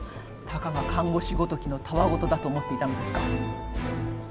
たかが看護師ごときのたわ言だと思っていたのですか？